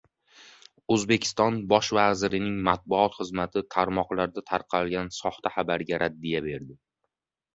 O‘zbekiston bosh vazirining matbuot xizmati tarmoqlarda tarqalgan soxta xabarga raddiya berdi